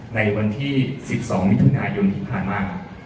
ในวันที่๑๒มิถุนายนที่ผ่านมา